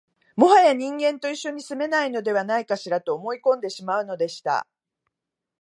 もはや人間と一緒に住めないのではないかしら、と思い込んでしまうのでした